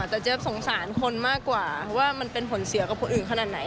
แต่เจ๊บสงสารคนมากกว่าว่ามันเป็นผลเสียกับคนอื่นขนาดไหน